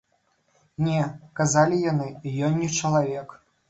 Не, казалі яны, ён не чалавек.